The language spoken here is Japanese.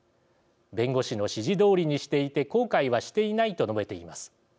弁護士の指示どおりにしていて後悔はしていないと述べています。